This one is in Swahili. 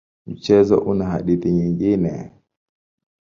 Mchezo una hadithi nyingine.